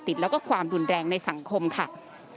มีการต่อไปด้วยนะครับ